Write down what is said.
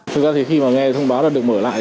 thực ra thì khi mà nghe thông báo là được mở lại